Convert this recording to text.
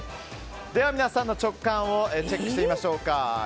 皆さんの直感をチェックしてみましょう。